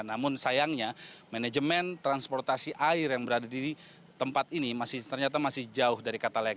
namun sayangnya manajemen transportasi air yang berada di tempat ini ternyata masih jauh dari kata layak